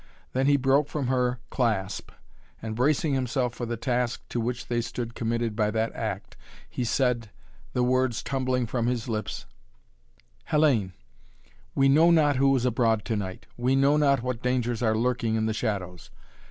Then he broke from her clasp and, bracing himself for the task to which they stood committed by that act, he said, the words tumbling from his lips: "Hellayne, we know not who is abroad to night. We know not what dangers are lurking in the shadows.